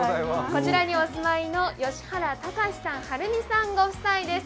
こちらにお住まいの吉原孝さん、晴美さんご夫妻です。